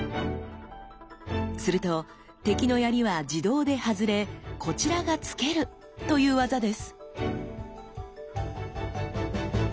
すると敵の槍は自動で外れこちらが突けるという技です。